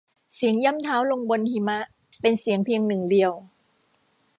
เสียงย่ำเท้าลงบนหิมะเป็นเสียงเพียงหนึ่งเดียว